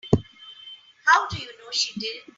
How do you know she didn't?